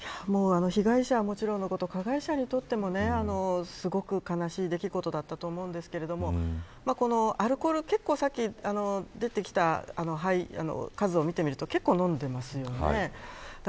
被害者はもちろんのこと加害者にとってもすごく悲しい出来事だったと思うんですけれどもアルコール結構さっき出てきた数を見ていると結構飲んでいますよね。